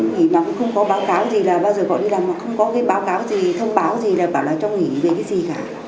nghỉ mà cũng không có báo cáo gì là bao giờ gọi đi làm mà không có cái báo cáo gì thông báo gì là bảo là cho nghỉ về cái gì cả